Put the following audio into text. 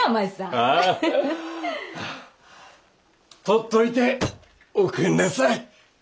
取っといておくんなさい。